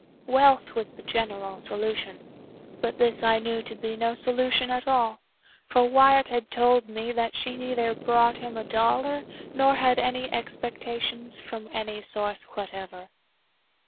Wealth was the general solution—but this I knew to be no solution at all; for Wyatt had told me that she neither brought him a dollar nor had any expectations from any source whatever.